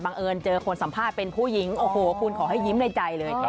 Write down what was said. เอิญเจอคนสัมภาษณ์เป็นผู้หญิงโอ้โหคุณขอให้ยิ้มในใจเลย